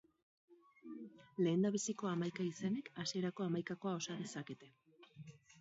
Lehendabiziko hamaika izenek hasierako hamaikakoa osa dezakete.